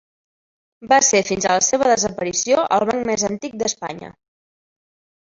Va ser fins a la seva desaparició el banc més antic d'Espanya.